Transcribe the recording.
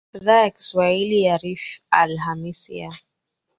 dhaa ya kiswahili ya rfi alhamisi ya